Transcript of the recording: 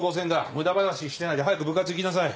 無駄話してないで早く部活行きなさい。